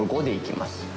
５でいきます。